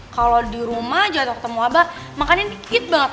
kalau di rumah jatuh ketemu abah makannya dikit banget